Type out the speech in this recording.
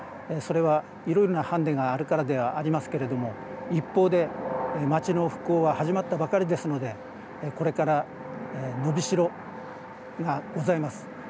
それはいろいろなハンデがあるからではありますけれども、一方で町の復興は始まったばかりですので、これから伸びしろがございます。